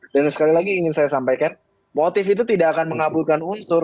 dan sekali lagi ingin saya sampaikan motif itu tidak akan mengabulkan unsur